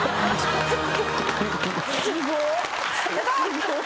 すごっ。